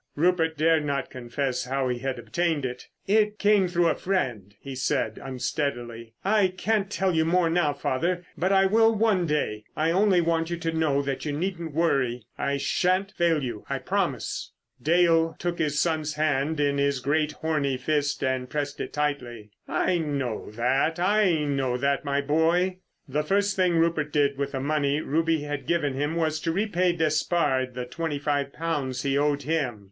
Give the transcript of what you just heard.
Rupert dared not confess how he had obtained it. "It came through a friend," he said unsteadily. "I can't tell you more now, father, but I will one day. I only want you to know that you needn't worry. I shan't fail you. I promise." Dale took his son's hand in his great, horny fist and pressed it tightly. "I know that, I know that, my boy." The first thing Rupert did with the money Ruby had given him was to repay Despard the twenty five pounds he owed him.